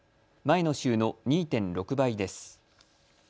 前の週の２．６倍です。